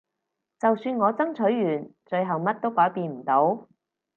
就算我爭取完最後乜都改變唔到